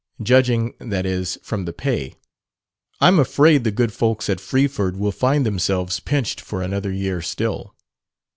Judging, that is, from the pay. I'm afraid the good folks at Freeford will find themselves pinched for another year still."